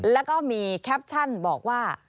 แล้วก็มีแคปชั่นบอกว่า